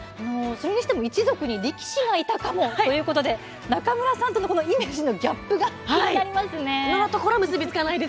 一族に力士がいたかもということで中村さんとのイメージのギャップが気になりますね。